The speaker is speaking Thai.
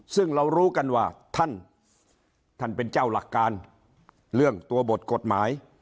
ซึ่งเรารู้กันว่าท่านท่านเป็นเจ้าหลักการเรื่องตัวบทกฎหมาย